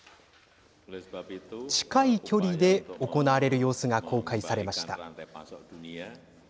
近い距離で行われる様子が公開されました。